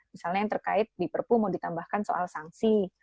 misalnya yang terkait di perpu mau ditambahkan soal sanksi